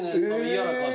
嫌な感じ